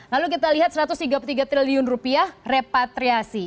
lalu kita lihat satu ratus tiga puluh tiga triliun rupiah repatriasi